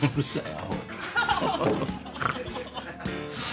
アホ。